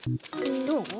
どう？